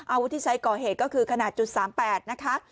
อาวุธที่ใช้ก่อเหตุก็คือขนาด๓๘นะคะ